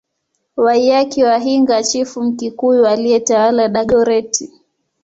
Waiyaki wa Hinga chifu Mkikuyu aliyetawala Dagoretti